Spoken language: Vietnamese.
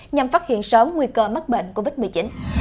nhằm phát hiện sớm nguy cơ mắc bệnh covid một mươi chín